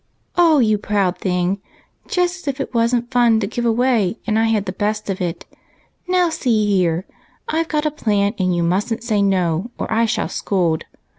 "O you proud thing! just as if it wasn't fun to give away, and I had the best of it. Now, see here. 256 EIGHT COUSINS. I've got a plan and you mustn't say no, or I shall scold.